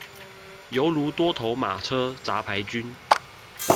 猶如多頭馬車雜牌軍